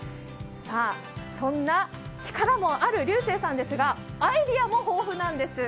そんな力もある龍生さんですが、アイデアも豊富なんです。